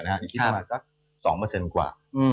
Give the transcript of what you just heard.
อยู่ที่ประมาณสัก๒กว่า